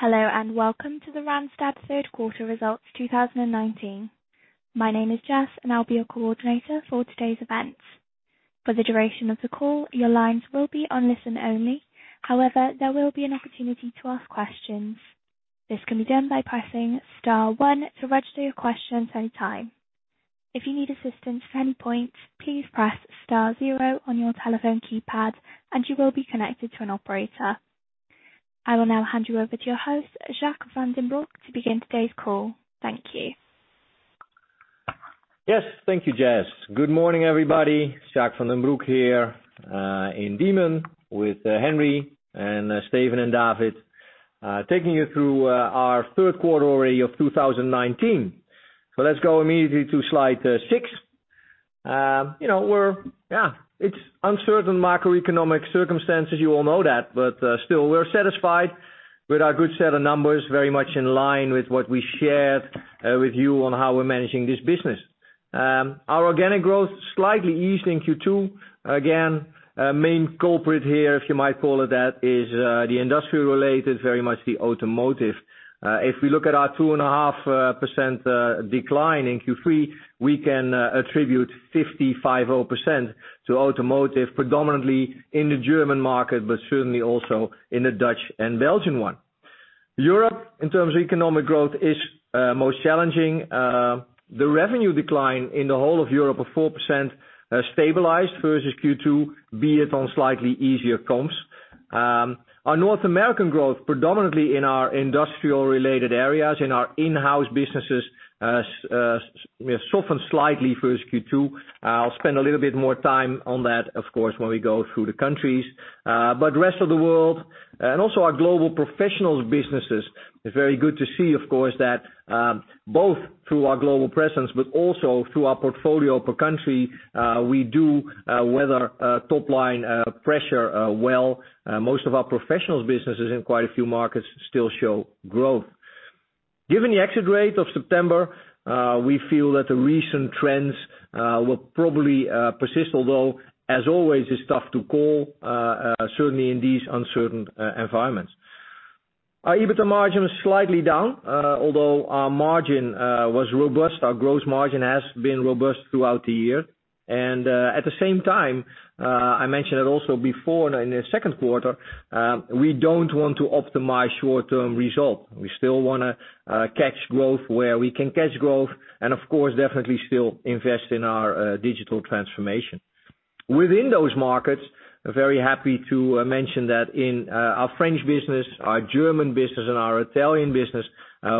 Hello, welcome to the Randstad third quarter results 2019. My name is Jess, and I'll be your coordinator for today's event. For the duration of the call, your lines will be on listen only. However, there will be an opportunity to ask questions. This can be done by pressing star one to register your questions any time. If you need assistance at any point, please press star zero on your telephone keypad, and you will be connected to an operator. I will now hand you over to your host, Jacques van den Broek, to begin today's call. Thank you. Yes, thank you, Jess. Good morning, everybody. Jacques van den Broek here, in Diemen with Henry and Steven and David, taking you through our third quarter already of 2019. Let's go immediately to slide six. It's uncertain macroeconomic circumstances, you all know that, but still we're satisfied with our good set of numbers, very much in line with what we shared with you on how we're managing this business. Our organic growth slightly eased in Q2. Again, main culprit here, if you might call it that, is the industry-related, very much the automotive. If we look at our 2.5% decline in Q3, we can attribute 55.0% to automotive, predominantly in the German market, but certainly also in the Dutch and Belgian one. Europe, in terms of economic growth, is most challenging. The revenue decline in the whole of Europe of 4% has stabilized versus Q2, be it on slightly easier comps. Our North American growth, predominantly in our industrial related areas, in our in-house businesses, softened slightly versus Q2. I'll spend a little bit more time on that, of course, when we go through the countries. Rest of the world, and also our global professionals businesses, it's very good to see, of course, that both through our global presence, but also through our portfolio per country, we do weather top line pressure well. Most of our professionals businesses in quite a few markets still show growth. Given the exit rate of September, we feel that the recent trends will probably persist, although, as always, it's tough to call, certainly in these uncertain environments. Our EBITDA margin is slightly down, although our margin was robust. Our gross margin has been robust throughout the year. At the same time, I mentioned it also before in the second quarter, we don't want to optimize short-term result. We still want to catch growth where we can catch growth and, of course, definitely still invest in our digital transformation. Within those markets, very happy to mention that in our French business, our German business, and our Italian business,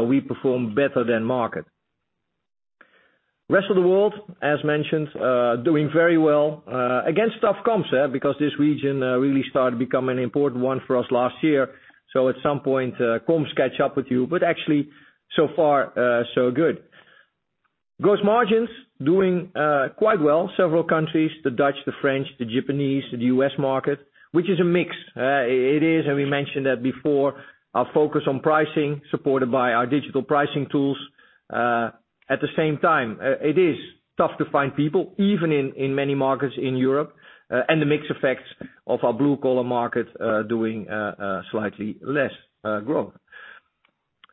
we perform better than market. Rest of the world, as mentioned, doing very well. Tough comps, because this region really started becoming an important one for us last year. At some point, comps catch up with you. Actually, so far so good. Gross margins doing quite well. Several countries, the Dutch, the French, the Japanese, the U.S. market, which is a mix. It is, and we mentioned that before, our focus on pricing, supported by our digital pricing tools. At the same time, it is tough to find people, even in many markets in Europe, and the mix effects of our blue-collar market doing slightly less growth.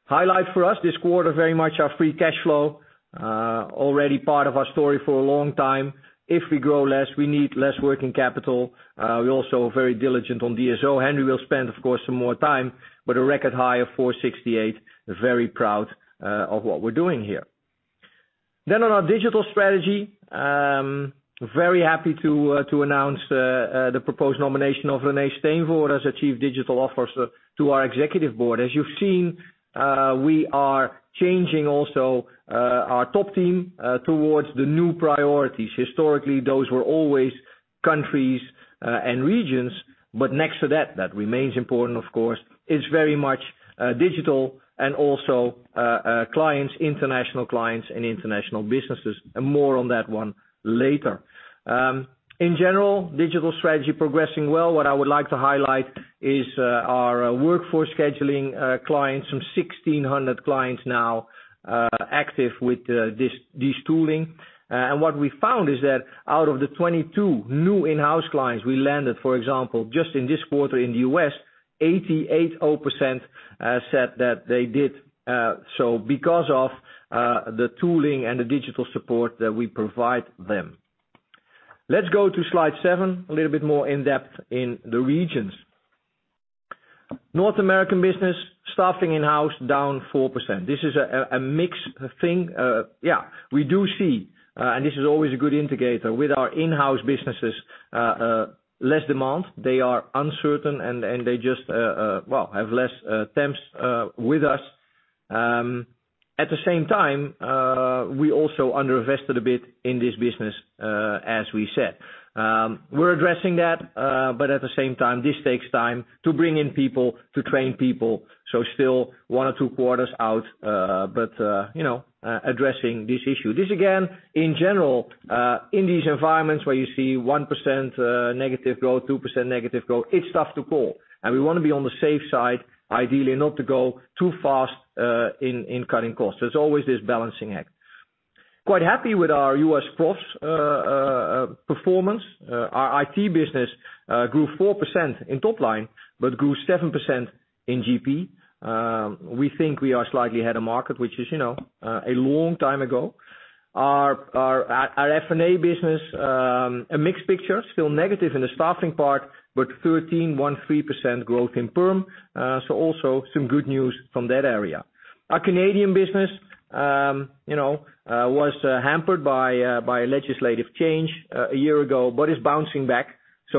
Highlight for us this quarter, very much our free cash flow. Already part of our story for a long time. If we grow less, we need less working capital. We're also very diligent on DSO. Henry will spend, of course, some more time, but a record high of 468. Very proud of what we're doing here. On our digital strategy. Very happy to announce the proposed nomination of René Steenvoorden as Chief Digital Officer to our executive board. As you've seen, we are changing also our top team towards the new priorities. Historically, those were always countries and regions, but next to that remains important, of course, is very much digital and also clients, international clients and international businesses. More on that one later. In general, digital strategy progressing well. What I would like to highlight is our workforce scheduling clients. Some 1,600 clients now active with this digital tooling. What we found is that out of the 22 new in-house clients we landed, for example, just in this quarter in the U.S., 88.0% said that they did so because of the tooling and the digital support that we provide them. Let's go to slide seven, a little bit more in depth in the regions. North American business, staffing in-house down 4%. This is a mixed thing. We do see, and this is always a good indicator, with our in-house businesses, less demand. They are uncertain, and they just have less temps with us. At the same time, we also under-invested a bit in this business, as we said. We're addressing that, but at the same time, this takes time to bring in people, to train people. Still one or two quarters out, but addressing this issue. This, again, in general, in these environments where you see 1% negative growth, 2% negative growth, it's tough to call. We want to be on the safe side, ideally not to go too fast in cutting costs. There's always this balancing act. Quite happy with our U.S. profs performance. Our IT business grew 4% in top line, but grew 7% in GP. We think we are slightly ahead of market, which is a long time ago. Our F&A business, a mixed picture, still negative in the staffing part, but 13.13% growth in perm. Also some good news from that area. Our Canadian business was hampered by a legislative change a year ago, but is bouncing back,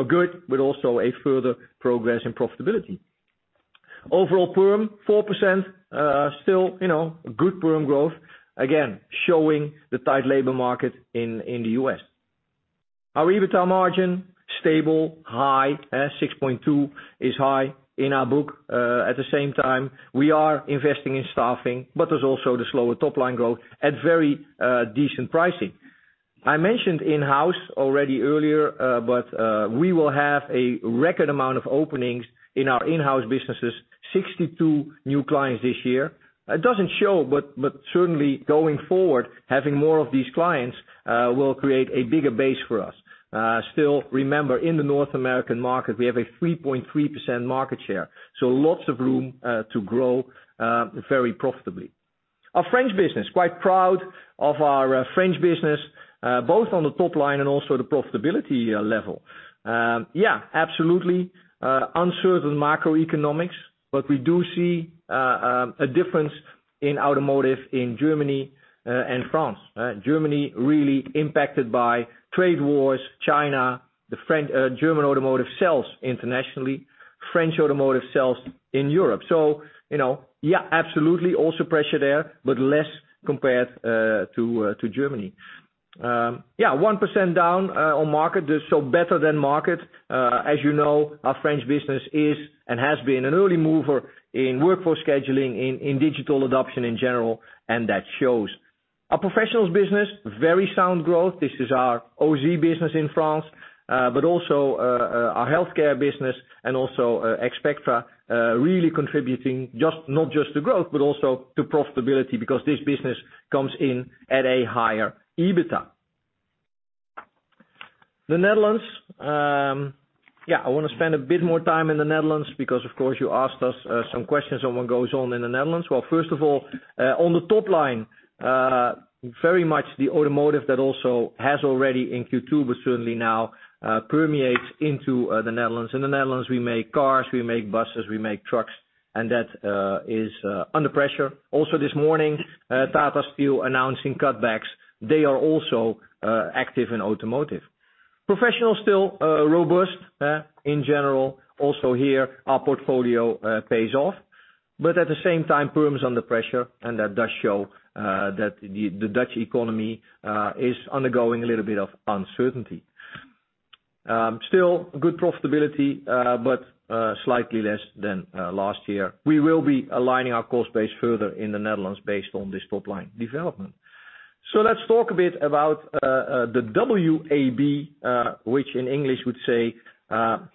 good, but also a further progress in profitability. Overall perm, 4%, still good perm growth, again, showing the tight labor market in the U.S. Our EBITDA margin, stable, high. 6.2 is high in our book. At the same time, we are investing in staffing, but there's also the slower top-line growth at very decent pricing. I mentioned in-house already earlier, but we will have a record amount of openings in our in-house businesses, 62 new clients this year. It doesn't show, but certainly going forward, having more of these clients will create a bigger base for us. Still, remember, in the North American market, we have a 3.3% market share, so lots of room to grow very profitably. Our French business, quite proud of our French business, both on the top line and also the profitability level. Absolutely uncertain macroeconomics, but we do see a difference in automotive in Germany and France. Germany really impacted by trade wars, China, the German automotive sells internationally, French automotive sells in Europe. Absolutely also pressure there, but less compared to Germany. 1% down on market, better than market. As you know, our French business is and has been an early mover in workforce scheduling, in digital adoption in general, and that shows. Our professionals business, very sound growth. This is our Ausy business in France, but also our healthcare business and also Expectra really contributing not just to growth, but also to profitability because this business comes in at a higher EBITDA. The Netherlands. Yeah, I want to spend a bit more time in the Netherlands because, of course, you asked us some questions on what goes on in the Netherlands. Well, first of all, on the top line, very much the automotive that also has already in Q2, but certainly now permeates into the Netherlands. In the Netherlands, we make cars, we make buses, we make trucks, and that is under pressure. This morning, Tata Steel announcing cutbacks. They are also active in automotive. Professional, still robust in general. Here, our portfolio pays off, but at the same time, perm is under pressure, and that does show that the Dutch economy is undergoing a little bit of uncertainty. Still good profitability, but slightly less than last year. We will be aligning our cost base further in the Netherlands based on this top-line development. Let's talk a bit about the WAB, which in English would say,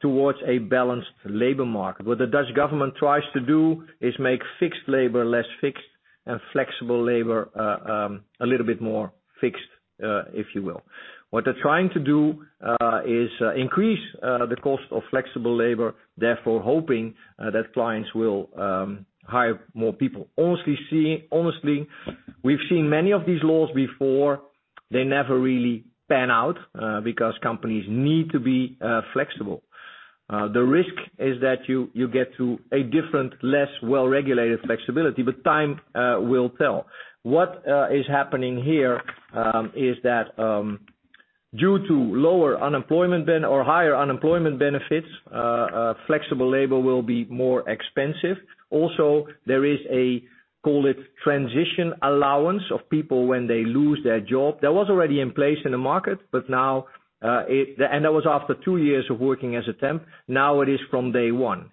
towards a balanced labor market. What the Dutch government tries to do is make fixed labor less fixed and flexible labor a little bit more fixed, if you will. What they're trying to do is increase the cost of flexible labor, therefore hoping that clients will hire more people. Honestly, we've seen many of these laws before. They never really pan out because companies need to be flexible. The risk is that you get to a different, less well-regulated flexibility. Time will tell. What is happening here is that due to higher unemployment benefits, flexible labor will be more expensive. Also, there is a, call it, transition allowance of people when they lose their job. That was already in place in the market and that was after two years of working as a temp. It is from day one.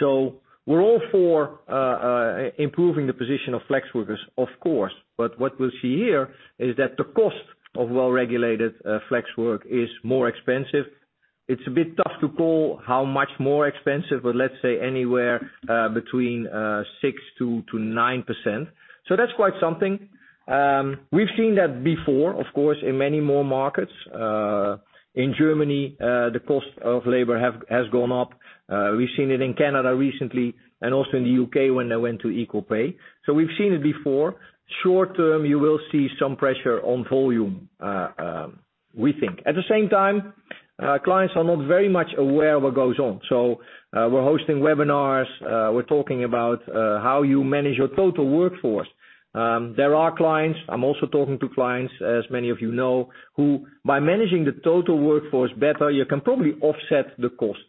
We're all for improving the position of flex workers, of course, but what we'll see here is that the cost of well-regulated flex work is more expensive. It's a bit tough to call how much more expensive, but let's say anywhere between 6%-9%. That's quite something. We've seen that before, of course, in many more markets. In Germany, the cost of labor has gone up. We've seen it in Canada recently and also in the U.K. when they went to equal pay. We've seen it before. Short term, you will see some pressure on volume, we think. At the same time, clients are not very much aware of what goes on. We're hosting webinars. We're talking about how you manage your total workforce. There are clients, I'm also talking to clients, as many of you know, who by managing the total workforce better, you can probably offset the cost.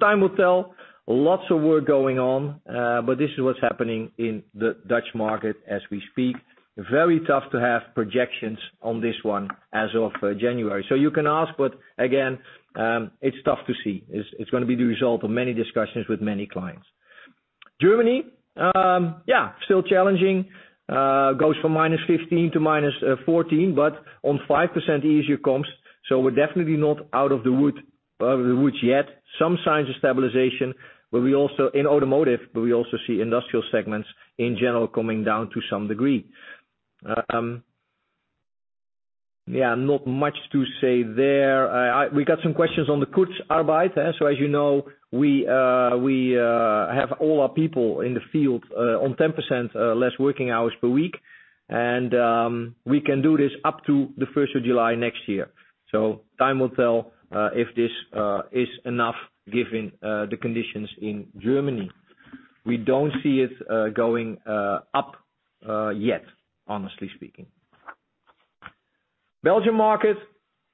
Time will tell. Lots of work going on, but this is what's happening in the Dutch market as we speak. Very tough to have projections on this one as of January. You can ask, but again, it's tough to see. It's going to be the result of many discussions with many clients. Germany. Still challenging. Goes from minus 15 to minus 14, but on 5% easier comps. We're definitely not out of the woods yet. Some signs of stabilization in automotive, but we also see industrial segments in general coming down to some degree. Not much to say there. We got some questions on the Kurzarbeit. As you know, we have all our people in the field on 10% less working hours per week, and we can do this up to the 1st of July next year. Time will tell if this is enough given the conditions in Germany. We don't see it going up yet, honestly speaking. Belgium market,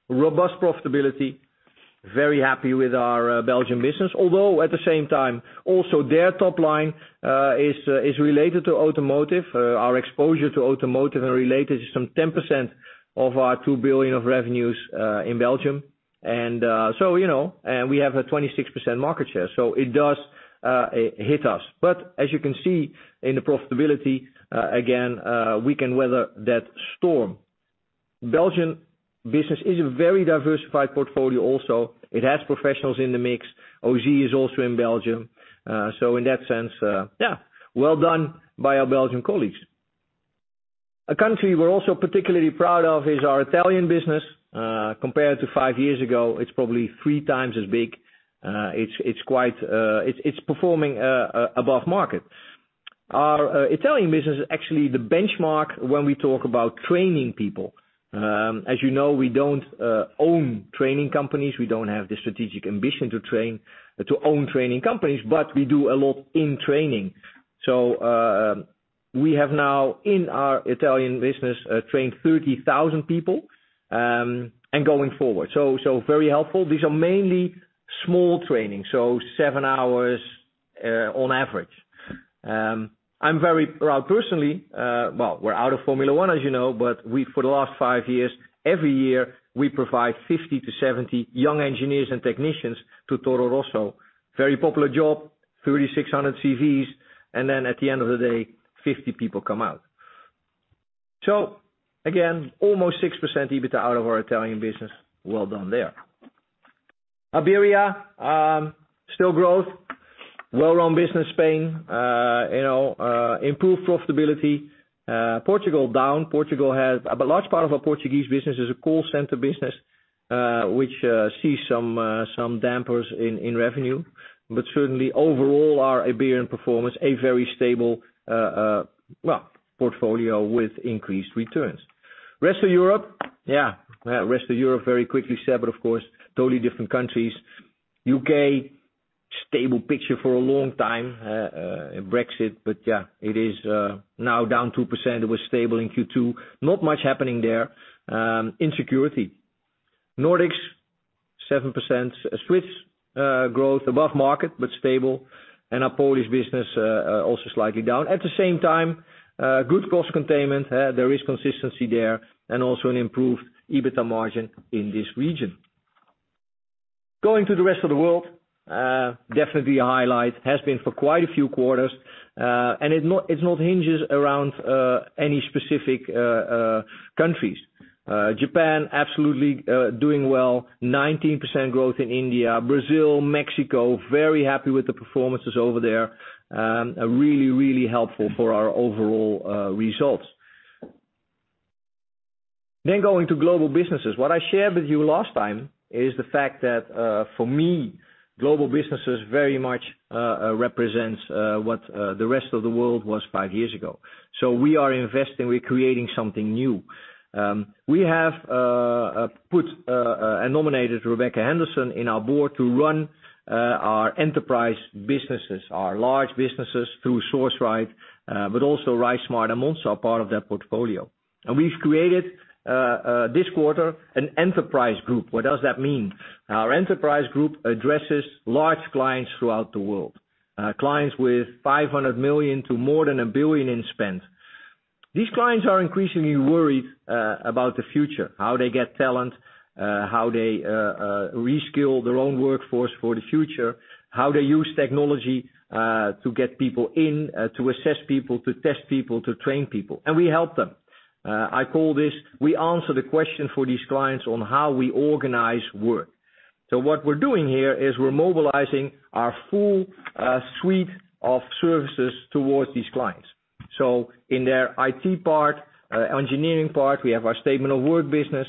robust profitability. Very happy with our Belgium business. Although at the same time, also their top line is related to automotive. Our exposure to automotive and related is some 10% of our 2 billion of revenues in Belgium. We have a 26% market share, so it does hit us. As you can see in the profitability, again, we can weather that storm. Belgian business is a very diversified portfolio also. It has professionals in the mix. Ausy is also in Belgium. In that sense, well done by our Belgian colleagues. A country we're also particularly proud of is our Italian business. Compared to five years ago, it's probably three times as big. It's performing above market. Our Italian business is actually the benchmark when we talk about training people. As you know, we don't own training companies. We don't have the strategic ambition to own training companies, but we do a lot in training. We have now, in our Italian business, trained 30,000 people, and going forward. Very helpful. These are mainly small training, so seven hours on average. I'm very proud personally. Well, we're out of Formula One, as you know, but for the last five years, every year, we provide 50 to 70 young engineers and technicians to Toro Rosso. Very popular job, 3,600 CVs, and then at the end of the day, 50 people come out. Again, almost 6% EBITDA out of our Italian business. Well done there. Iberia, still growth. Well-run business, Spain. Improved profitability. Portugal down. A large part of our Portuguese business is a call center business, which sees some dampers in revenue. Certainly overall, our Iberian performance, a very stable portfolio with increased returns. Rest of Europe. Rest of Europe, very quickly said, of course, totally different countries. U.K., stable picture for a long time. Brexit, it is now down 2%. It was stable in Q2. Not much happening there. Insecurity. Nordics, 7%. Swiss growth above market, stable. Our Polish business also slightly down. At the same time, good cost containment. There is consistency there, an improved EBITDA margin in this region. Going to the rest of the world, definitely a highlight, has been for quite a few quarters. It not hinges around any specific countries. Japan, absolutely doing well. 19% growth in India. Brazil, Mexico, very happy with the performances over there. Really, really helpful for our overall results. Going to global businesses. What I shared with you last time is the fact that for me, global businesses very much represents what the rest of the world was five years ago. We are investing, we're creating something new. We have put and nominated Rebecca Henderson in our board to run our enterprise businesses, our large businesses through Sourceright, but also RiseSmart and Monster are part of that portfolio. We've created, this quarter, an enterprise group. What does that mean? Our enterprise group addresses large clients throughout the world. Clients with 500 million to more than 1 billion in spend. These clients are increasingly worried about the future, how they get talent, how they reskill their own workforce for the future, how they use technology, to get people in, to assess people, to test people, to train people. We help them. I call this. We answer the question for these clients on how we organize work. What we're doing here is we're mobilizing our full suite of services towards these clients. In their IT part, engineering part, we have our statement of work business.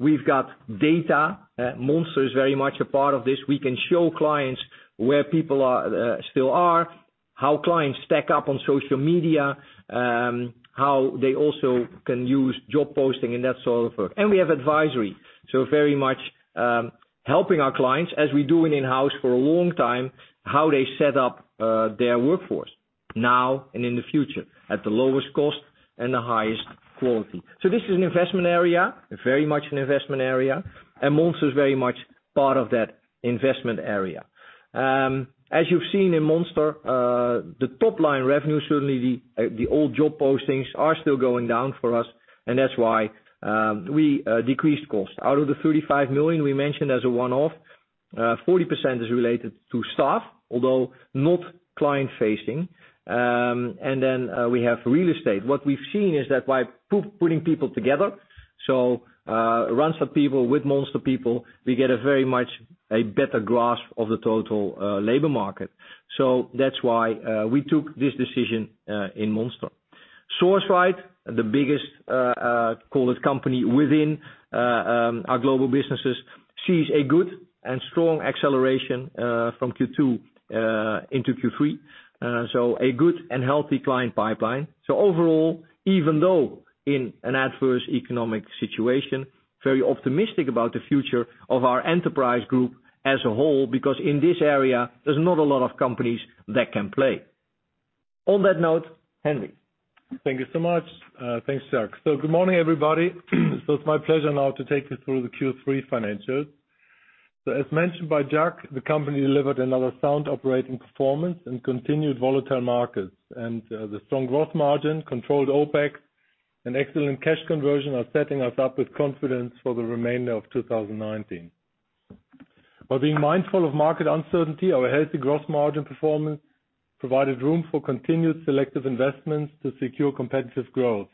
We've got data. Monster is very much a part of this. We can show clients where people still are, how clients stack up on social media, how they also can use job posting and that sort of work. We have advisory. Very much helping our clients as we do in-house for a long time, how they set up their workforce now and in the future at the lowest cost and the highest quality. This is an investment area, very much an investment area, and Monster is very much part of that investment area. As you've seen in Monster, the top-line revenue, certainly the old job postings are still going down for us, and that's why we decreased cost. Out of the 35 million we mentioned as a one-off, 40% is related to staff, although not client facing. Then we have real estate. What we've seen is that by putting people together, so Randstad people with Monster people, we get a very much a better grasp of the total labor market. That's why we took this decision in Monster. Sourceright, the biggest call it company within our global businesses, sees a good and strong acceleration from Q2 into Q3. A good and healthy client pipeline. Overall, even though in an adverse economic situation, very optimistic about the future of our enterprise group as a whole, because in this area, there's not a lot of companies that can play. On that note, Henry. Thank you so much. Thanks, Jacq. Good morning, everybody. It's my pleasure now to take you through the Q3 financials. As mentioned by Jacq, the company delivered another sound operating performance in continued volatile markets. The strong gross margin, controlled OpEx, and excellent cash conversion are setting us up with confidence for the remainder of 2019. While being mindful of market uncertainty, our healthy gross margin performance provided room for continued selective investments to secure competitive growth.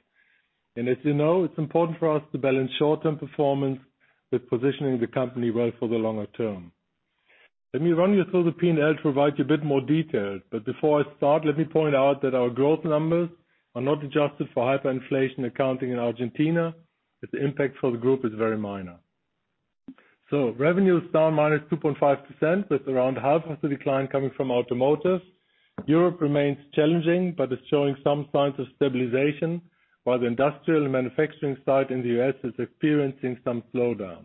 As you know, it's important for us to balance short-term performance with positioning the company well for the longer term. Let me run you through the P&L to provide you a bit more detail. Before I start, let me point out that our growth numbers are not adjusted for hyperinflation accounting in Argentina, as the impact for the group is very minor. Revenue is down minus 2.5% with around half of the decline coming from automotive. Europe remains challenging but is showing some signs of stabilization, while the industrial and manufacturing side in the U.S. is experiencing some slowdown.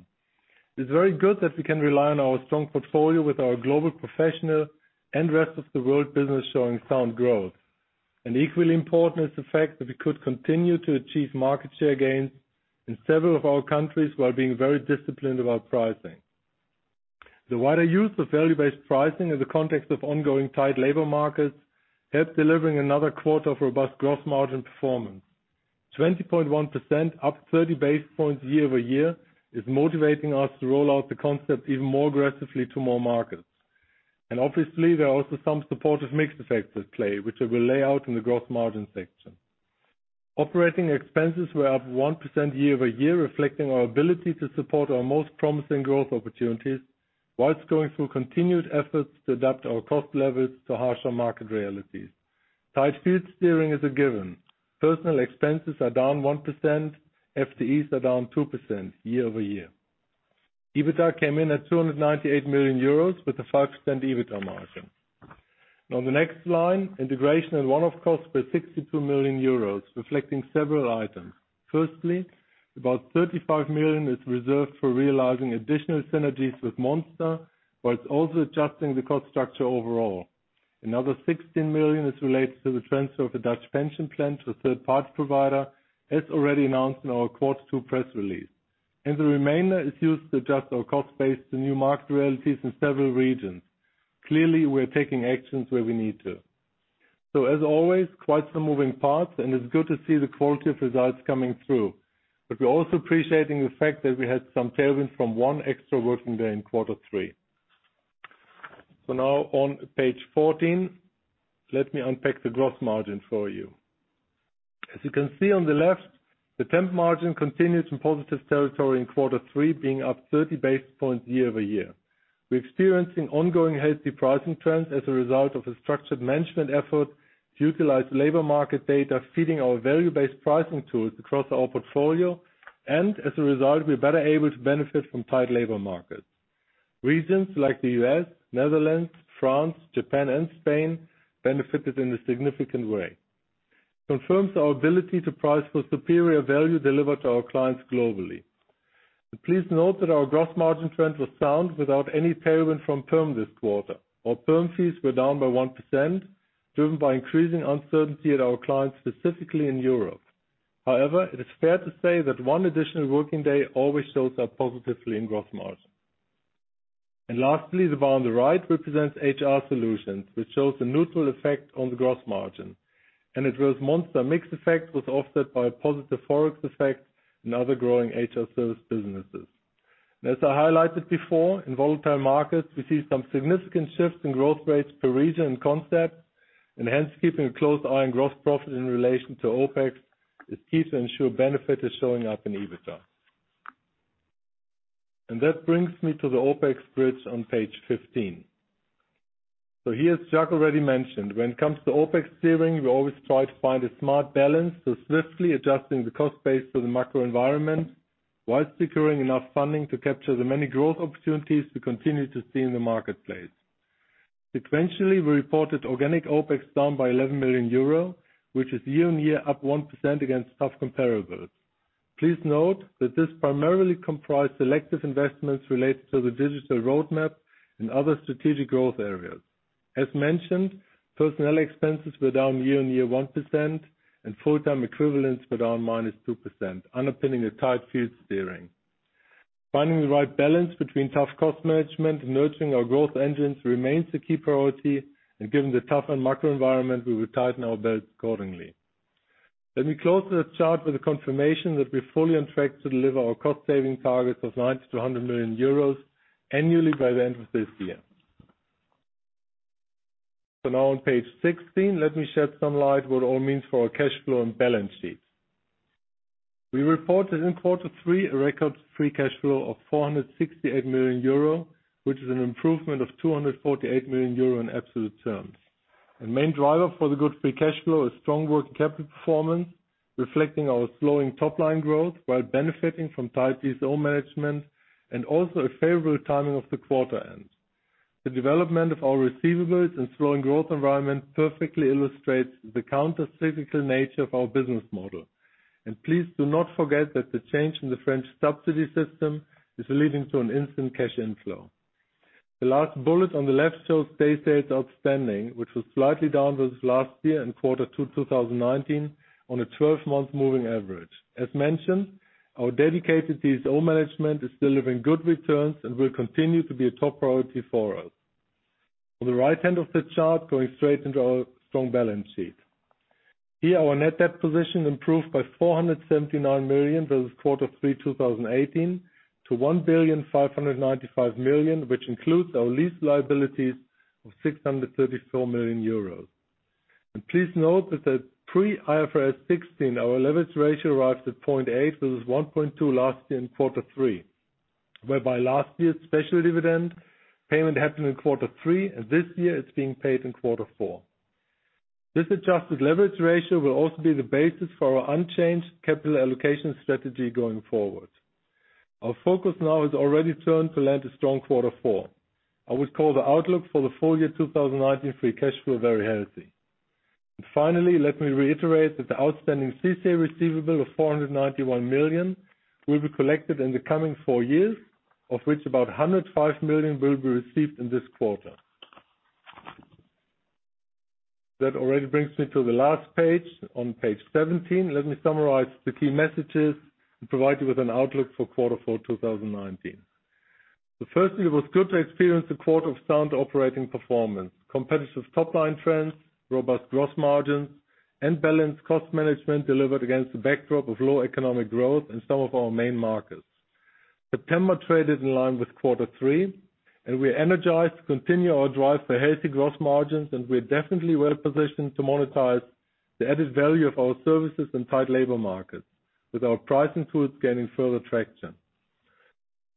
It's very good that we can rely on our strong portfolio with our global professional and rest-of-the-world business showing sound growth. Equally important is the fact that we could continue to achieve market share gains in several of our countries while being very disciplined about pricing. The wider use of value-based pricing in the context of ongoing tight labor markets helped delivering another quarter of robust growth margin performance. 20.1% up 30 basis points year-over-year is motivating us to roll out the concept even more aggressively to more markets. Obviously, there are also some supportive mixed effects at play, which I will lay out in the growth margin section. Operating expenses were up 1% year-over-year, reflecting our ability to support our most promising growth opportunities whilst going through continued efforts to adapt our cost levels to harsher market realities. Tight field steering is a given. Personnel expenses are down 1%, FTEs are down 2% year-over-year. EBITDA came in at 298 million euros with a 5% EBITDA margin. On the next line, integration and one-off costs were 62 million euros, reflecting several items. Firstly, about 35 million is reserved for realizing additional synergies with Monster, while it's also adjusting the cost structure overall. Another 16 million is related to the transfer of the Dutch pension plan to a third-party provider, as already announced in our Quarter Two press release. The remainder is used to adjust our cost base to new market realities in several regions. Clearly, we're taking actions where we need to. As always, quite some moving parts, and it's good to see the qualitative results coming through. We're also appreciating the fact that we had some tailwind from one extra working day in quarter three. Now on Page 14, let me unpack the gross margin for you. As you can see on the left, the temp margin continues in positive territory in quarter three, being up 30 basis points year-over-year. We're experiencing ongoing healthy pricing trends as a result of a structured management effort to utilize labor market data, feeding our value-based pricing tools across our portfolio, and as a result, we're better able to benefit from tight labor markets. Regions like the U.S., Netherlands, France, Japan, and Spain benefited in a significant way. Confirms our ability to price for superior value delivered to our clients globally. Please note that our gross margin trend was sound without any payment from perm this quarter. Our perm fees were down by 1%, driven by increasing uncertainty at our clients, specifically in Europe. However, it is fair to say, one additional working day always shows up positively in gross margin. Lastly, the bar on the right represents HR solutions, which shows a neutral effect on the gross margin. It was Monster mixed effect was offset by a positive Forex effect in other growing HR service businesses. As I highlighted before, in volatile markets, we see some significant shifts in growth rates per region and concept, and hence keeping a close eye on gross profit in relation to OpEx is key to ensure benefit is showing up in EBITDA. That brings me to the OpEx bridge on Page 15. Here, as Jacq already mentioned, when it comes to OpEx steering, we always try to find a smart balance, so swiftly adjusting the cost base to the macro environment while securing enough funding to capture the many growth opportunities we continue to see in the marketplace. Sequentially, we reported organic OpEx down by 11 million euro, which is year-over-year up 1% against tough comparables. Please note that this primarily comprised selective investments related to the digital roadmap and other strategic growth areas. As mentioned, personnel expenses were down year-on-year 1%, and full-time equivalents were down -2%, underpinning a tight field steering. Finding the right balance between tough cost management and nurturing our growth engines remains the key priority, and given the tougher macro environment, we will tighten our belts accordingly. Let me close this chart with the confirmation that we're fully on track to deliver our cost-saving targets of 90 million to 100 million euros annually by the end of this year. Now on Page 16, let me shed some light what it all means for our cash flow and balance sheet. We reported in quarter three a record free cash flow of 468 million euro, which is an improvement of 248 million euro in absolute terms. A main driver for the good free cash flow is strong working capital performance, reflecting our slowing top-line growth while benefiting from tight DSO management and also a favorable timing of the quarter end. The development of our receivables and slowing growth environment perfectly illustrates the countercyclical nature of our business model. Please do not forget that the change in the French subsidy system is leading to an instant cash inflow. The last bullet on the left shows day sales outstanding, which was slightly down versus last year in quarter two 2019 on a 12-month moving average. As mentioned, our dedicated DSO management is delivering good returns and will continue to be a top priority for us. On the right hand of the chart, going straight into our strong balance sheet. Here, our net debt position improved by 479 million versus quarter three 2018 to 1 billion 595 million, which includes our lease liabilities of 634 million euros. Please note that the pre-IFRS 16, our leverage ratio rises to 0.8 versus 1.2 last year in quarter three, whereby last year's special dividend payment happened in quarter three, and this year it's being paid in quarter four. This adjusted leverage ratio will also be the basis for our unchanged capital allocation strategy going forward. Our focus now is already turned to land a strong quarter four. I would call the outlook for the full year 2019 free cash flow very healthy. Finally, let me reiterate that the outstanding CCA receivable of 491 million will be collected in the coming four years, of which about 105 million will be received in this quarter. That already brings me to the last page, on page 17. Let me summarize the key messages and provide you with an outlook for quarter four 2019. Firstly, it was good to experience a quarter of sound operating performance. Competitive top-line trends, robust gross margins, and balanced cost management delivered against the backdrop of low economic growth in some of our main markets. September trade is in line with quarter three, and we are energized to continue our drive for healthy gross margins, and we are definitely well-positioned to monetize the added value of our services and tight labor markets with our pricing tools gaining further traction.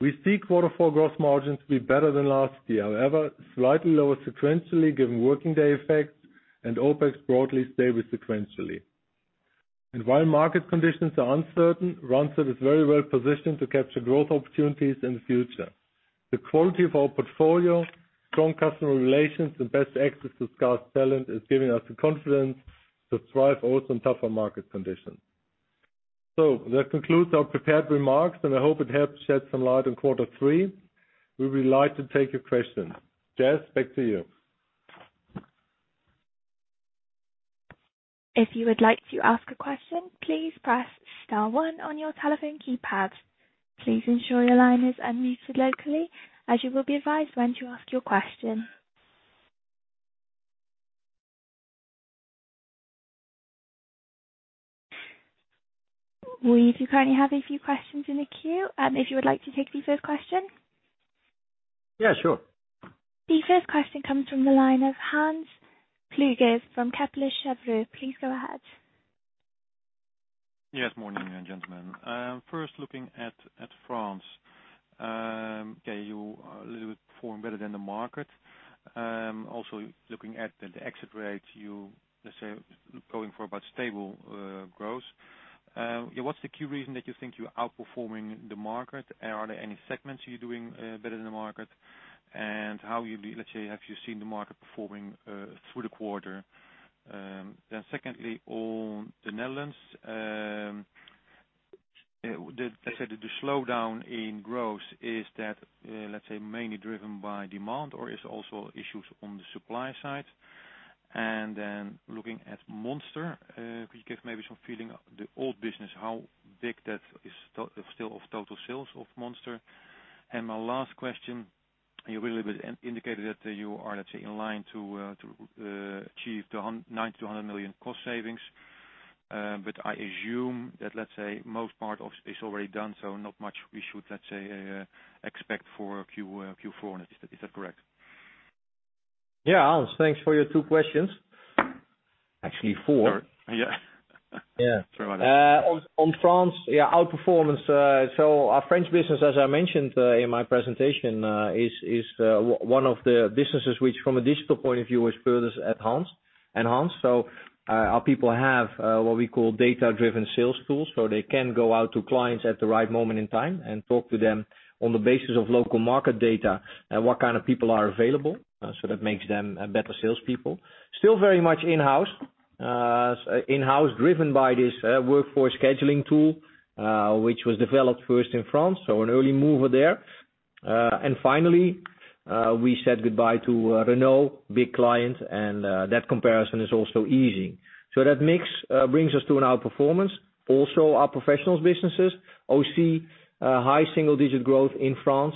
We see quarter four gross margins to be better than last year. However, slightly lower sequentially given working day effects and OpEx broadly stable sequentially. While market conditions are uncertain, Randstad is very well positioned to capture growth opportunities in the future. The quality of our portfolio, strong customer relations, and best access to scarce talent is giving us the confidence to thrive also in tougher market conditions. That concludes our prepared remarks, and I hope it helps shed some light on quarter three. We would be glad to take your questions. Jess, back to you. If you would like to ask a question, please press star one on your telephone keypad. Please ensure your line is unmuted locally as you will be advised when to ask your question. We do currently have a few questions in the queue. If you would like to take the first question. Yeah, sure. The first question comes from the line of Hans Kluge from Kepler Cheuvreux. Please go ahead. Yes, morning, gentlemen. First, looking at France. You are a little bit performing better than the market. Also looking at the exit rate, let's say, going for about stable growth. What's the key reason that you think you're outperforming the market? Are there any segments you're doing better than the market? How, let's say, have you seen the market performing through the quarter? Secondly, on the Netherlands, let's say that the slowdown in growth is that, let's say, mainly driven by demand or is also issues on the supply side? Looking at Monster, could you give maybe some feeling, the old business, how big that is still of total sales of Monster? My last question, you indicated that you are, let's say, in line to achieve the 90 million-100 million cost savings. I assume that let's say most part is already done, so not much we should, let's say, expect for Q4. Is that correct? Yeah, Hans, thanks for your two questions. Actually four. Sorry. Yeah. Yeah. Sorry about that. France, outperformance. Our French business, as I mentioned in my presentation, is one of the businesses which, from a digital point of view, is furthest enhanced. Our people have what we call data-driven sales tools, so they can go out to clients at the right moment in time and talk to them on the basis of local market data and what kind of people are available. That makes them better salespeople. Still very much in-house. In-house driven by this workforce scheduling tool, which was developed first in France, an early mover there. Finally, we said goodbye to Renault, big client, and that comparison is also easy. That mix brings us to an outperformance. Also our professionals businesses, OC, high single-digit growth in France,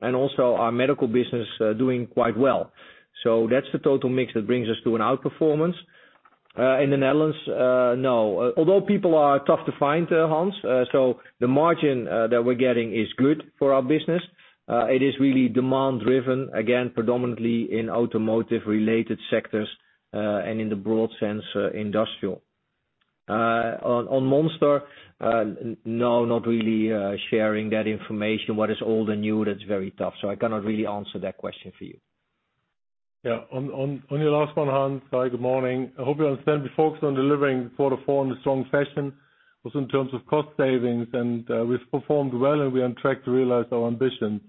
and also our medical business doing quite well. That's the total mix that brings us to an outperformance. In the Netherlands, no. Although people are tough to find, Hans, so the margin that we're getting is good for our business. It is really demand driven, again, predominantly in automotive related sectors, and in the broad sense, industrial. On Monster, no, not really sharing that information. What is old and new, that's very tough, so I cannot really answer that question for you. On your last one, Hans. Hi, good morning. I hope you understand we focused on delivering quarter four in a strong fashion, also in terms of cost savings. We've performed well, and we are on track to realize our ambition.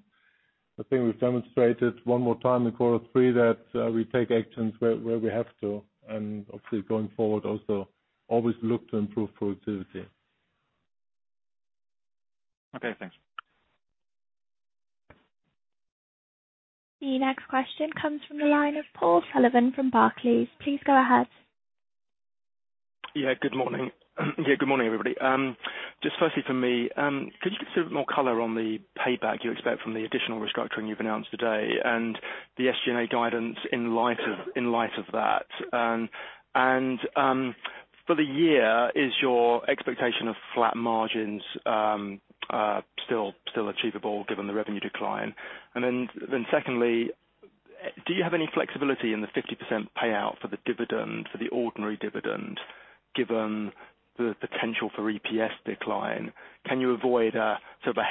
I think we've demonstrated one more time in quarter three that we take actions where we have to, obviously going forward also, always look to improve productivity. Okay, thanks. The next question comes from the line of Paul Sullivan from Barclays. Please go ahead. Yeah, good morning, everybody. Just firstly from me, could you give us a bit more color on the payback you expect from the additional restructuring you've announced today and the SG&A guidance in light of that? For the year, is your expectation of flat margins still achievable given the revenue decline? Secondly, do you have any flexibility in the 50% payout for the ordinary dividend, given the potential for EPS decline? Can you avoid a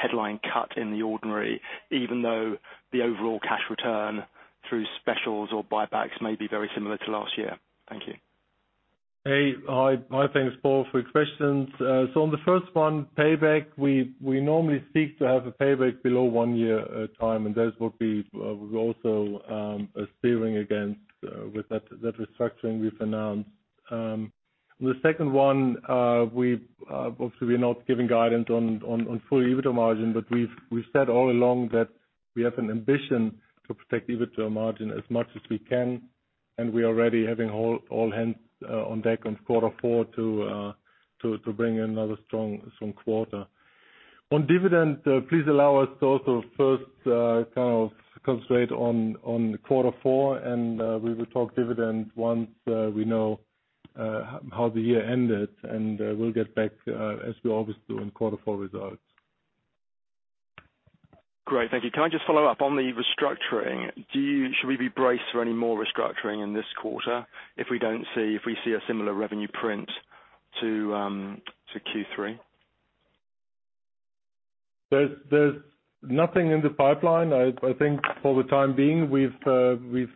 headline cut in the ordinary, even though the overall cash return through specials or buybacks may be very similar to last year? Thank you. Hi, thanks, Paul, for your questions. On the first one, payback, we normally seek to have a payback below one year time, and that would be what we're also steering against with that restructuring we've announced. On the second one, obviously, we're not giving guidance on full EBITDA margin, but we've said all along that we have an ambition to protect EBITDA margin as much as we can, and we're already having all hands on deck on quarter four to bring another strong quarter. On dividend, please allow us to also first concentrate on quarter four, and we will talk dividend once we know how the year ended. We'll get back as we always do in quarter four results. Great. Thank you. Can I just follow up on the restructuring? Should we be braced for any more restructuring in this quarter if we see a similar revenue print to Q3? There's nothing in the pipeline. I think for the time being, we've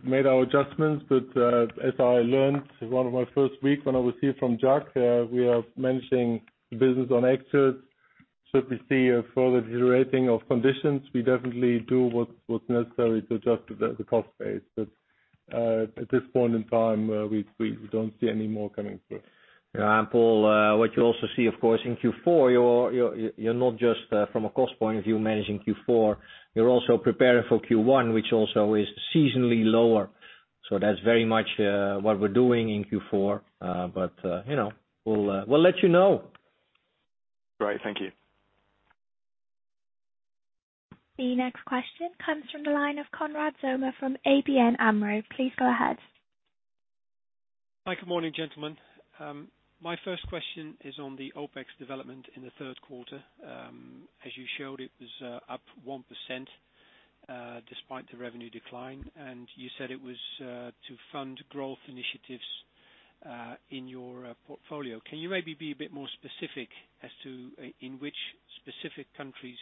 made our adjustments. As I learned one of my first week when I was here from Jacq, we are managing the business on exits. Should we see a further deteriorating of conditions, we definitely do what's necessary to adjust the cost base. At this point in time, we don't see any more coming through. Paul, what you also see, of course, in Q4, you're not just from a cost point of view, managing Q4. You're also preparing for Q1, which also is seasonally lower. That's very much what we're doing in Q4. We'll let you know. Great. Thank you. The next question comes from the line of Konrad Zomer from ABN AMRO. Please go ahead. Hi, good morning, gentlemen. My first question is on the OpEx development in the third quarter. As you showed, it was up 1% despite the revenue decline, and you said it was to fund growth initiatives in your portfolio. Can you maybe be a bit more specific as to in which specific countries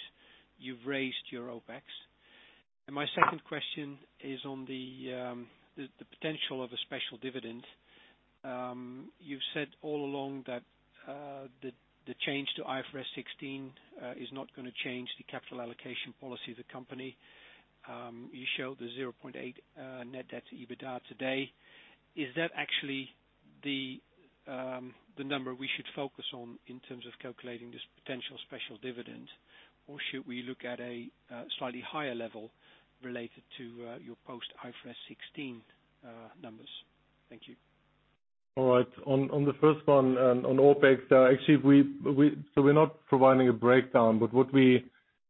you've raised your OpEx? My second question is on the potential of a special dividend. You've said all along that the change to IFRS 16 is not going to change the capital allocation policy of the company. You showed the 0.8 net debt to EBITDA today. Is that actually the number we should focus on in terms of calculating this potential special dividend, or should we look at a slightly higher level related to your post IFRS 16 numbers? Thank you. All right. On the first one, on OpEx, actually, we're not providing a breakdown, but what we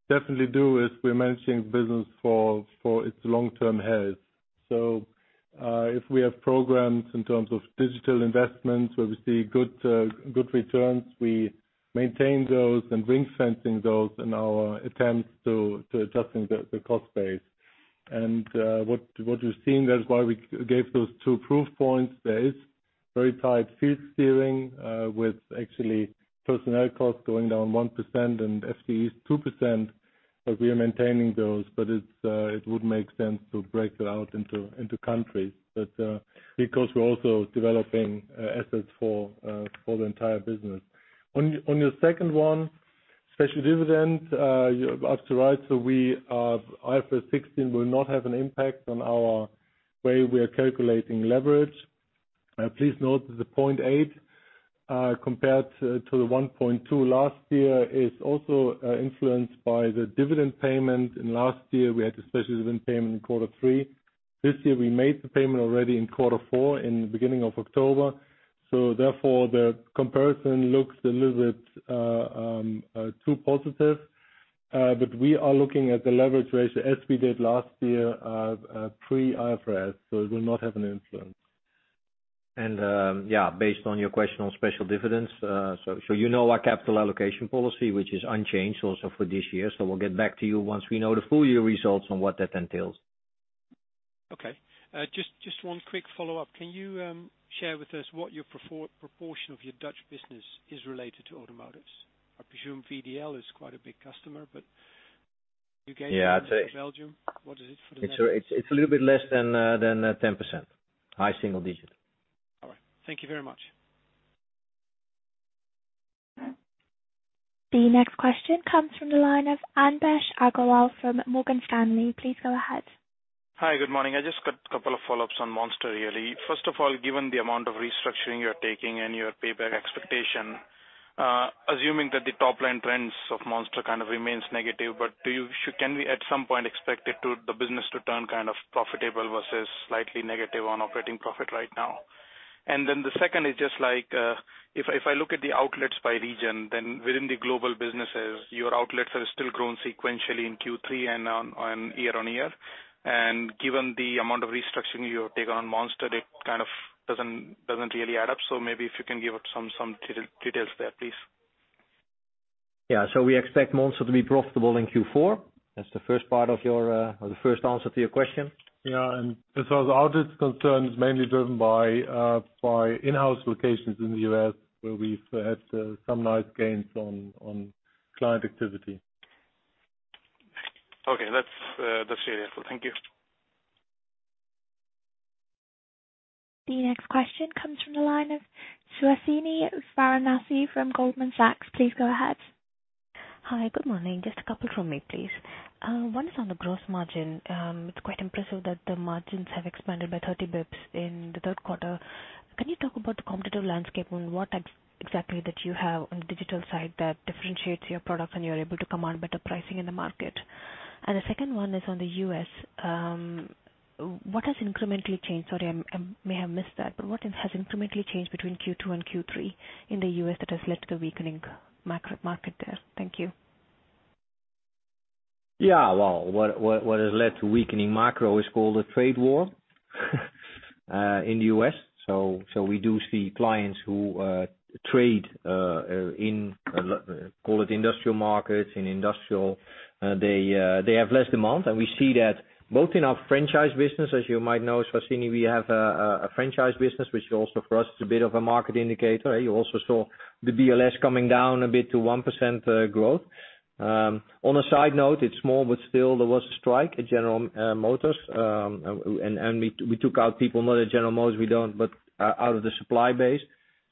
definitely do is we're managing business for its long-term health. If we have programs in terms of digital investments where we see good returns, we maintain those and ring-fencing those in our attempts to adjusting the cost base. What you're seeing, that is why we gave those two proof points. There is very tight field steering with actually personnel costs going down 1% and FTEs 2%, but we are maintaining those. It wouldn't make sense to break it out into countries. Because we're also developing assets for the entire business. On your second one, special dividend, you're absolutely right. IFRS 16 will not have an impact on our way we are calculating leverage. Please note that the 0.8, compared to the 1.2 last year, is also influenced by the dividend payment. In last year, we had the special dividend payment in quarter three. This year, we made the payment already in quarter four in the beginning of October. Therefore, the comparison looks a little bit too positive. We are looking at the leverage ratio as we did last year, pre IFRS, so it will not have an influence. Yeah, based on your question on special dividends, so you know our capital allocation policy, which is unchanged also for this year. We'll get back to you once we know the full year results and what that entails. Okay. Just one quick follow-up. Can you share with us what your proportion of your Dutch business is related to automotives? I presume VDL is quite a big customer. Yeah. Belgium, what is it for the Netherlands? It's a little bit less than 10%. High single digit. All right. Thank you very much. The next question comes from the line of Anvesh Agrawal from Morgan Stanley. Please go ahead. Hi. Good morning. I just got a couple of follow-ups on Monster really. First of all, given the amount of restructuring you're taking and your payback expectation, assuming that the top line trends of Monster kind of remains negative, but can we at some point expect the business to turn kind of profitable versus slightly negative on operating profit right now? The second is just like, if I look at the outlets by region, then within the global businesses, your outlets are still growing sequentially in Q3 and year-on-year. Given the amount of restructuring you've taken on Monster, that kind of doesn't really add up. Maybe if you can give some details there, please. Yeah. We expect Monster to be profitable in Q4. That's the first answer to your question. Yeah. As far as outlets concerns, mainly driven by in-house locations in the U.S. where we've had some nice gains on client activity. Okay. That's it. Thank you. The next question comes from the line of Suhasini Varanasi from Goldman Sachs. Please go ahead. Hi. Good morning. Just a couple from me, please. One is on the gross margin. It's quite impressive that the margins have expanded by 30 basis points in the third quarter. Can you talk about the competitive landscape on what exactly that you have on the digital side that differentiates your product and you're able to command better pricing in the market? The second one is on the U.S. What has incrementally changed? Sorry, I may have missed that, but what has incrementally changed between Q2 and Q3 in the U.S. that has led to the weakening macro market there? Thank you. Well, what has led to weakening macro is called a trade war in the U.S. We do see clients who trade in, call it industrial markets. In industrial, they have less demand, we see that both in our franchise business. As you might know, Suhasini, we have a franchise business which also for us is a bit of a market indicator. You also saw the BLS coming down a bit to 1% growth. On a side note, it's small, but still there was a strike at General Motors, we took out people, not at General Motors, out of the supply base.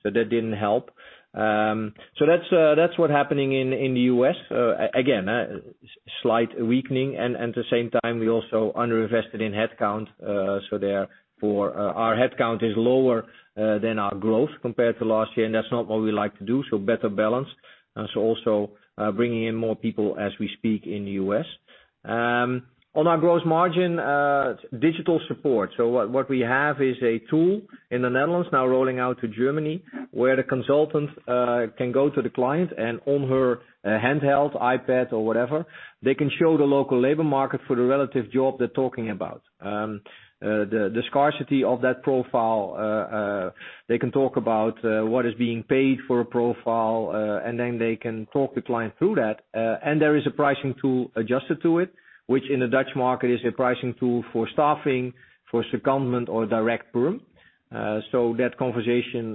That didn't help. That's what happening in the U.S. Again, slight weakening and at the same time we also under-invested in headcount, Our headcount is lower than our growth compared to last year, and that's not what we like to do, better balance. Also, bringing in more people as we speak in the U.S. On our gross margin, digital support. What we have is a tool in the Netherlands now rolling out to Germany, where the consultant can go to the client and on her handheld iPad or whatever, they can show the local labor market for the relative job they're talking about. The scarcity of that profile, they can talk about what is being paid for a profile, Then they can talk the client through that. There is a pricing tool adjusted to it, which in the Dutch market is a pricing tool for staffing, for secondment or direct perm. That conversation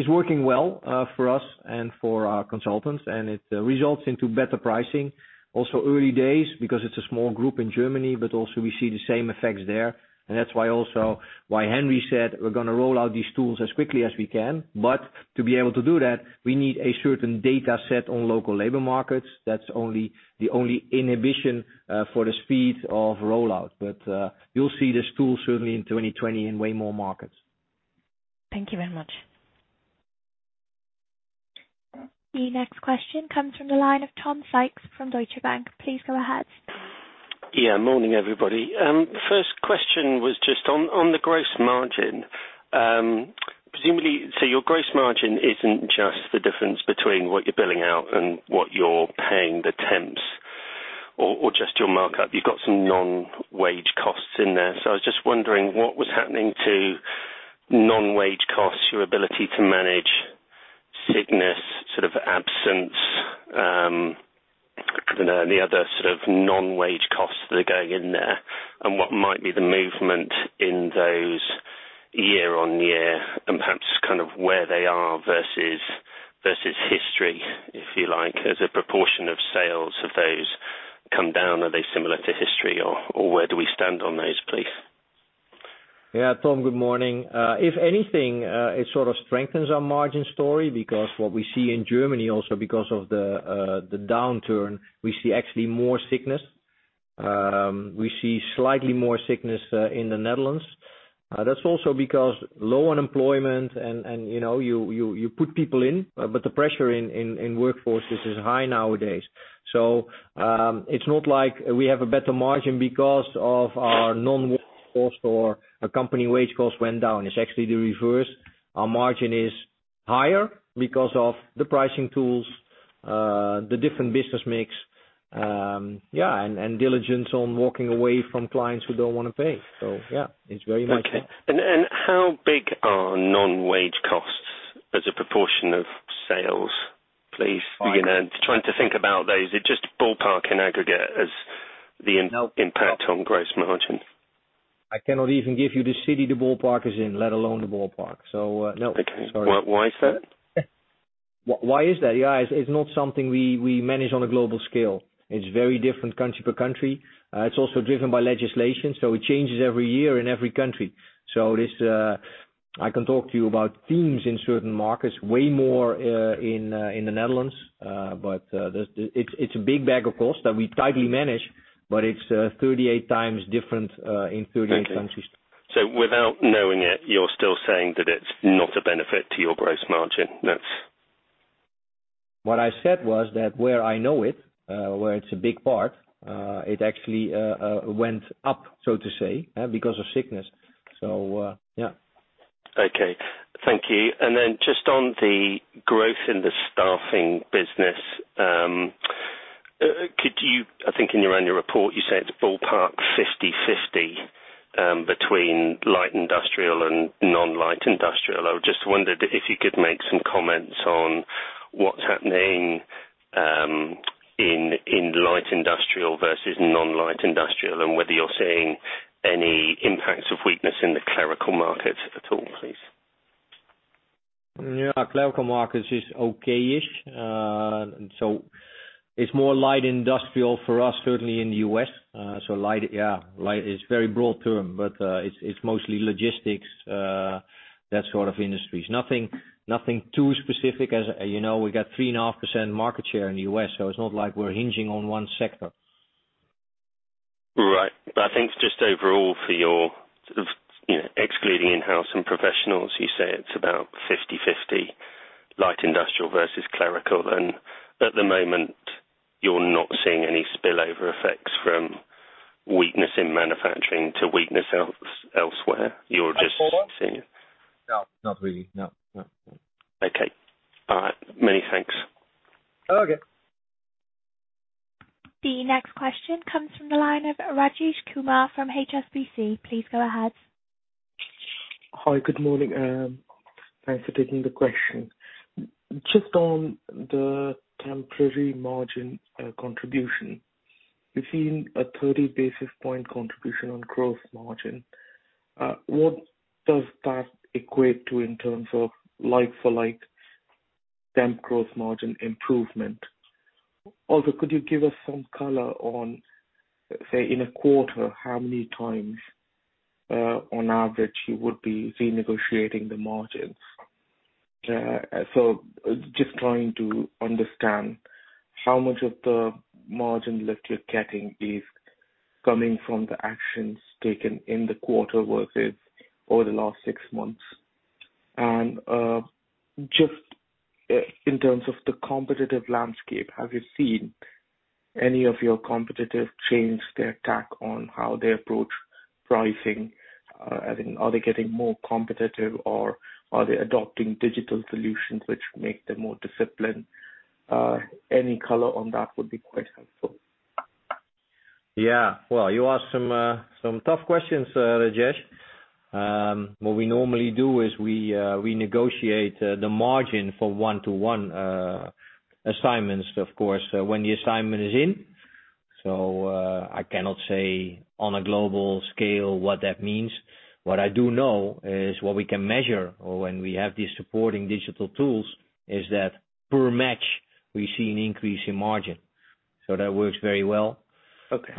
is working well for us and for our consultants, and it results into better pricing. Also early days because it's a small group in Germany, but also we see the same effects there. That's why also why Henry said we're going to roll out these tools as quickly as we can. To be able to do that, we need a certain data set on local labor markets. That's the only inhibition for the speed of rollout. You'll see this tool certainly in 2020 in way more markets. Thank you very much. The next question comes from the line of Tom Sykes from Deutsche Bank. Please go ahead. Yeah. Morning, everybody. First question was just on the gross margin. Presumably, your gross margin isn't just the difference between what you're billing out and what you're paying the temps or just your markup. You've got some non-wage costs in there. I was just wondering what was happening to non-wage costs, your ability to manage sickness, sort of absence, any other sort of non-wage costs that are going in there, and what might be the movement in those year-on-year and perhaps kind of where they are versus history, if you like, as a proportion of sales. Have those come down? Are they similar to history or where do we stand on those, please? Yeah, Tom, good morning. If anything, it sort of strengthens our margin story because what we see in Germany also because of the downturn, we see actually more sickness. We see slightly more sickness in the Netherlands. That's also because low unemployment and you put people in, but the pressure in workforces is high nowadays. It's not like we have a better margin because of our non-wage costs or accompanying wage costs went down. It's actually the reverse. Our margin is higher because of the pricing tools, the different business mix and diligence on walking away from clients who don't want to pay. Yeah, it's very much so. Okay. How big are non-wage costs as a proportion of sales, please? I'm trying to think about those. Just ballpark in aggregate as the impact on gross margin. I cannot even give you the city the ballpark is in, let alone the ballpark. No. Sorry. Okay. Why is that? Why is that? Yeah. It's not something we manage on a global scale. It's very different country per country. It's also driven by legislation, so it changes every year in every country. I can talk to you about themes in certain markets, way more in the Netherlands. It's a big bag of costs that we tightly manage, but it's 38 times different in 38 countries. Thank you. Without knowing it, you're still saying that it's not a benefit to your gross margin? What I said was that where I know it, where it's a big part, it actually went up, so to say, because of sickness. Yeah. Okay. Thank you. Just on the growth in the staffing business, I think in your annual report, you said it's ballpark 50/50 between light industrial and non-light industrial. I just wondered if you could make some comments on what's happening in light industrial versus non-light industrial, and whether you're seeing any impacts of weakness in the clerical market at all, please. Yeah, clerical markets is okay-ish. It's more light industrial for us, certainly in the U.S. Light, yeah. Light is very broad term, but it's mostly logistics, that sort of industries. Nothing too specific. As you know, we got 3.5% market share in the U.S., so it's not like we're hinging on one sector. Right. I think just overall excluding in-house and professionals, you say it's about 50/50 light industrial versus clerical. At the moment, you're not seeing any spillover effects from weakness in manufacturing to weakness elsewhere. You're just seeing. No, not really. No. Okay. All right. Many thanks. Okay. The next question comes from the line of Rajesh Kumar from HSBC. Please go ahead. Hi. Good morning. Thanks for taking the question. On the temporary margin contribution. You're seeing a 30 basis point contribution on gross margin. What does that equate to in terms of like for like temp gross margin improvement? Could you give us some color on, say, in a quarter, how many times on average you would be renegotiating the margins? Just trying to understand how much of the margin lift you're getting is coming from the actions taken in the quarter versus over the last 6 months. Just in terms of the competitive landscape, have you seen any of your competitors change their tack on how they approach pricing? Are they getting more competitive or are they adopting digital solutions which make them more disciplined? Any color on that would be quite helpful. Yeah. Well, you ask some tough questions, Rajesh. What we normally do is we negotiate the margin for one-to-one assignments, of course, when the assignment is in. I cannot say on a global scale what that means. What I do know is what we can measure when we have these supporting digital tools is that per match, we see an increase in margin. That works very well. Okay.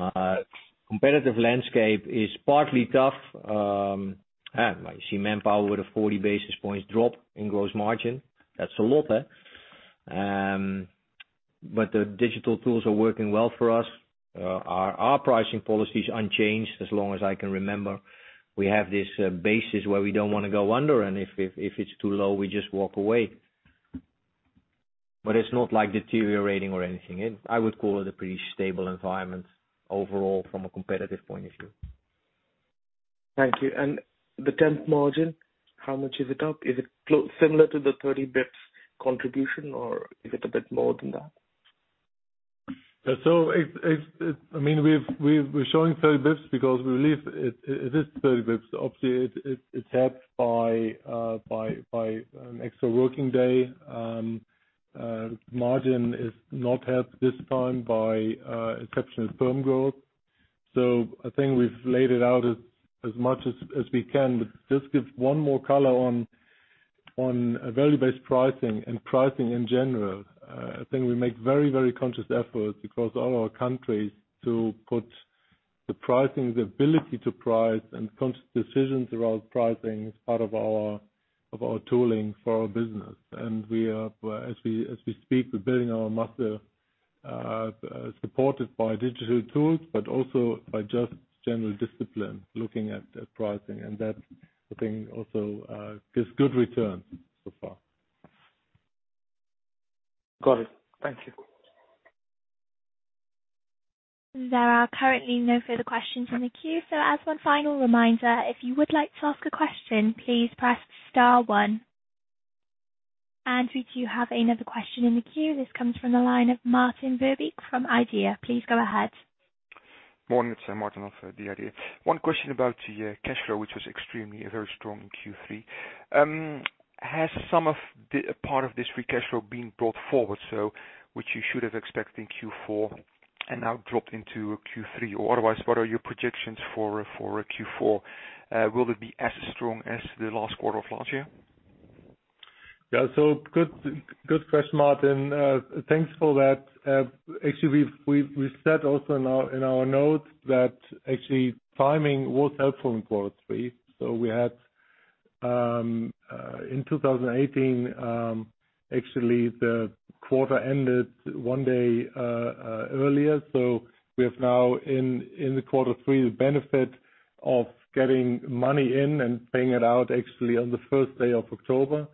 Competitive landscape is partly tough. You see ManpowerGroup with a 40 basis points drop in gross margin. That's a lot. The digital tools are working well for us. Our pricing policy is unchanged as long as I can remember. We have this basis where we don't want to go under, and if it's too low, we just walk away. It's not like deteriorating or anything. I would call it a pretty stable environment overall from a competitive point of view. Thank you. The temp margin, how much is it up? Is it similar to the 30 basis points contribution or is it a bit more than that? We're showing 30 bps because we believe it is 30 bps. Obviously, it's helped by an extra working day. Margin is not helped this time by exceptional firm growth. I think we've laid it out as much as we can, but just give one more color on a value-based pricing and pricing in general. I think we make very conscious efforts across all our countries to put the pricing, the ability to price, and conscious decisions around pricing as part of our tooling for our business. As we speak, we're building our muscle, supported by digital tools, but also by just general discipline, looking at pricing. That, I think, also gives good returns so far. Got it. Thank you. There are currently no further questions in the queue. As one final reminder, if you would like to ask a question, please press star one. Andrew, do you have another question in the queue? This comes from the line of Maarten Verbeek from The IDEA!. Please go ahead. Morning. It's Maarten of The IDEA!. One question about your cash flow, which was extremely, very strong in Q3. Has some of the part of this free cash flow been brought forward, so which you should have expected in Q4 and now dropped into Q3? Otherwise, what are your projections for Q4? Will it be as strong as the last quarter of last year? Yeah. Good question, Maarten. Thanks for that. Actually, we've said also in our notes that actually timing was helpful in quarter three. We had, in 2018, actually the quarter ended one day earlier. We have now in the quarter three, the benefit of getting money in and paying it out actually on the first day of October.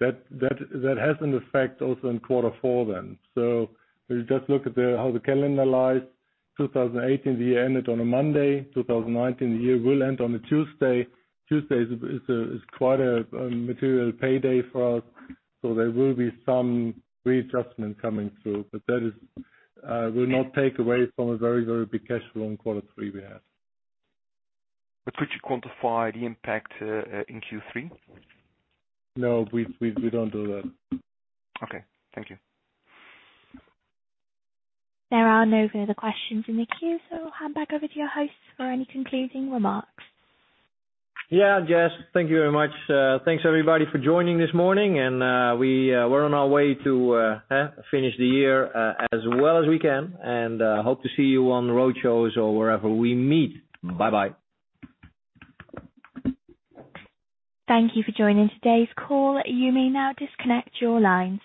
That has an effect also in quarter four then. If you just look at how the calendar lies, 2018 the year ended on a Monday, 2019 the year will end on a Tuesday. Tuesday is quite a material payday for us. There will be some readjustment coming through. That will not take away from a very, very big cash flow in quarter three we have. Could you quantify the impact in Q3? No, we don't do that. Okay. Thank you. There are no further questions in the queue, so I'll hand back over to your host for any concluding remarks. Jess, thank you very much. Thanks everybody for joining this morning. We're on our way to finish the year as well as we can, and hope to see you on the roadshows or wherever we meet. Bye-bye. Thank you for joining today's call. You may now disconnect your lines.